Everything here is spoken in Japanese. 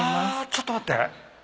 ちょっと待って。